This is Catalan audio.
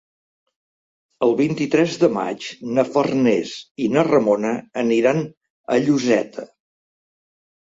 El vint-i-tres de maig na Farners i na Ramona aniran a Lloseta.